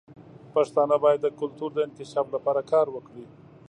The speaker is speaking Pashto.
پښتانه باید د کلتور د انکشاف لپاره کار وکړي.